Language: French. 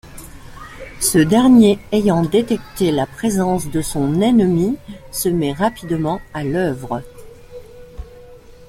Ce dernier ayant détecté la présence de son ennemi se met rapidement à l'œuvre.